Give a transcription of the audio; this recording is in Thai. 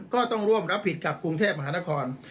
ก็ต้องร่วมรับผิดกับกรุงเทพมหานคร